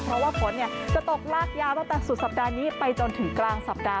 เพราะว่าฝนจะตกลากยาวตั้งแต่สุดสัปดาห์นี้ไปจนถึงกลางสัปดาห